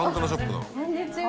こんにちは。